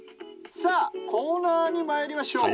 コーナーまいりましょう。